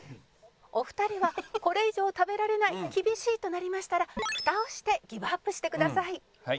お二人はこれ以上食べられない厳しいとなりましたらフタをしてギブアップしてください。